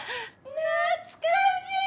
懐かしい！